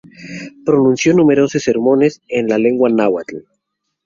Pronunció numerosos sermones en la lengua náhuatl.